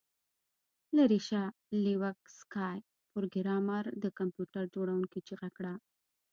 لیرې شه لیوک سکای پروګرامر د کمپیوټر جوړونکي چیغه کړه